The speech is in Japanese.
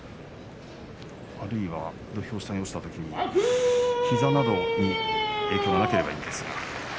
あるいは土俵下に落ちたときに膝などに影響がなければいいんですが。